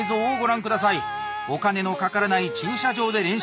お金のかからない駐車場で練習。